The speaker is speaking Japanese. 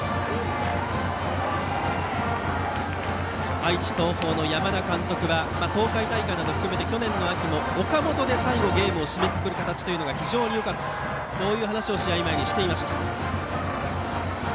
愛知・東邦の山田監督は東海大会など含めて去年の秋も岡本で最後ゲームを締めくくる形が非常によかったという話を試合前にしていました。